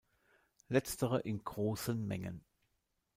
Letztere in großen Mengen.